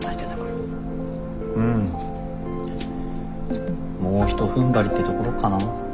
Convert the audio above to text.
もうひとふんばりってところかな。